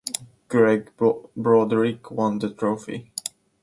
Greg Broderick won the trophy.